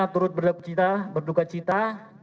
turut berduka cita